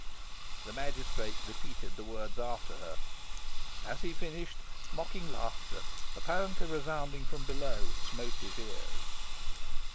'" The magistrate repeated the words after her. As he finished, mocking laughter, apparently resounding from below, smote his ears.